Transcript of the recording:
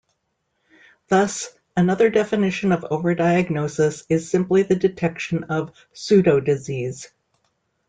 Thus, another definition of overdiagnosis is simply the detection of pseudodisease.